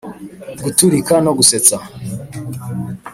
guturika no gusetsa-